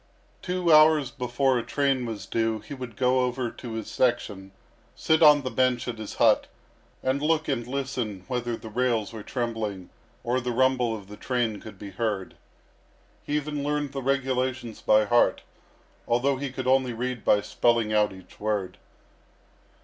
Two hours before a train was due he would go over his section, sit on the bench at his hut, and look and listen whether the rails were trembling or the rumble of the train could be heard. He even learned the regulations by heart, although he could only read by spelling out each word.